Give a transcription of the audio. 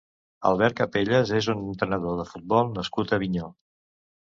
Albert Capellas és un entrenador de futbol nascut a Avinyó.